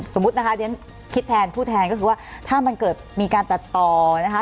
สมมุตินะคะเรียนคิดแทนผู้แทนก็คือว่าถ้ามันเกิดมีการตัดต่อนะคะ